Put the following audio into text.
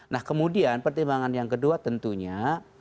nah kemudian pertimbangan yang kedua tentunya